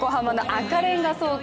赤レンガ倉庫！